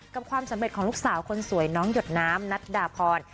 ความสำเร็จของลูกสาวคนสวยน้องหยดน้ำนัดดาพร